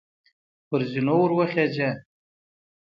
پر زینو وروخیژه !